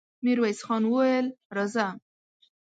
ميرويس خان وويل: راځه!